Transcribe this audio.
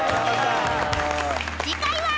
［次回は］